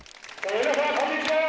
皆さん、こんにちは。